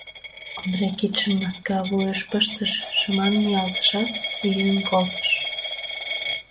— Ондре кидшым маска вуйыш пыштыш, шыман ниялтышат, йӱын колтыш.